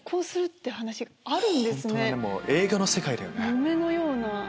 夢のような。